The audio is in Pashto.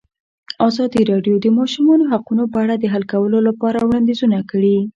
ازادي راډیو د د ماشومانو حقونه په اړه د حل کولو لپاره وړاندیزونه کړي.